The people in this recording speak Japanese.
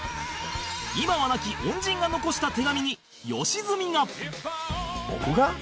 今は亡き恩人が残した手紙に良純が